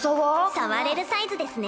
触れるサイズですね。